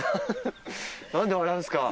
何で笑うんですか！